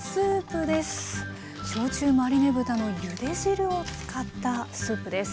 焼酎マリネ豚のゆで汁を使ったスープです。